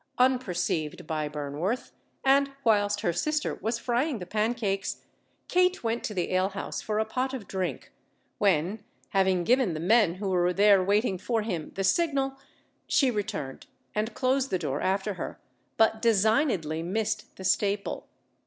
Unperceived by Burnworth, and whilst her sister was frying the pancakes, Kate went to the alehouse for a pot of drink, when having given the men who were there waiting for him the signal, she returned, and closed the door after her, but designedly missed the staple.